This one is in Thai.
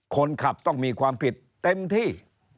คนขับต้องมีความผิดเต็มที่